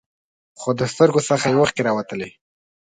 خو د سترګو څخه یې اوښکې راوتلې.